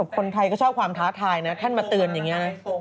คนไทยก็ชอบความท้าทายนะแค่มาตื่นอย่างนี้